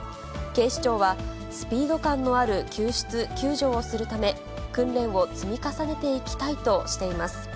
警視庁は、スピード感のある救出・救助をするため、訓練を積み重ねていきたいとしています。